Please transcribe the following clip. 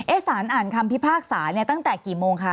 สารอ่านคำพิพากษาเนี่ยตั้งแต่กี่โมงคะ